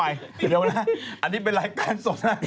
เดี๋ยวนะอันนี้เป็นรายการสดนะ